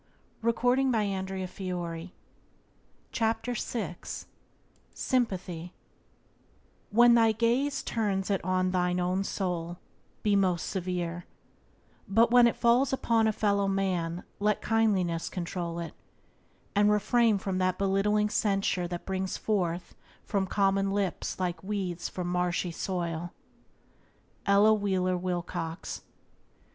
Byways to Blessedness by James Allen 29 Sympathy "When thy gaze Turns it on thine own soul, be most severe: But when it falls upon a fellow man Let kindliness control it; and refrain From that belittling censure that springs forth From common lips like weeds from marshy soil." —Ella Wheeler Wilcox.